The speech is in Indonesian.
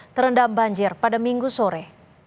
terendam banjir pada minggu sore